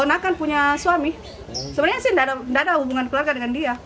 warnakan punya suami sebenarnya sih gak ada hubungan keluarga dengan dia